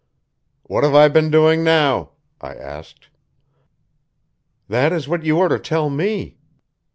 "What have I been doing now?" I asked. "That is what you are to tell me.